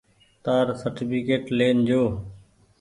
تآر سرٽيڦڪيٽ لين جو۔